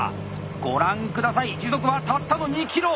ご覧下さい時速はたったの２ｋｍ！